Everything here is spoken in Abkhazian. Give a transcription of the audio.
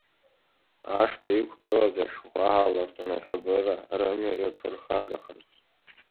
Ашҭа иқәгылаз ашәҟәқәа аларҵон, аиҳабыра рымҩа иаԥырхагахарц.